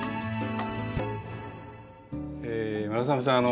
村雨さん